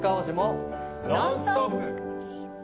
「ノンストップ！」。